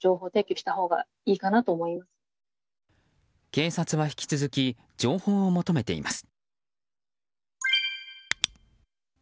警察は引き続き情報を求めています。